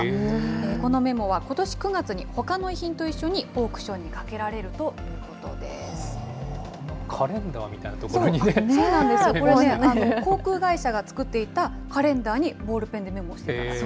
このメモは、ことし９月にほかの遺品と一緒にオークションにかけカレンダーみたいなところにそうなんですよ、これね、航空会社が作っていたカレンダーにボールペンでメモしていたと。